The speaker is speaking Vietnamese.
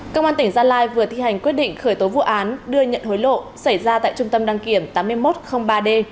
công an tỉnh gia lai vừa thi hành quyết định khởi tố vụ án đưa nhận hối lộ xảy ra tại trung tâm đăng kiểm tám nghìn một trăm linh ba d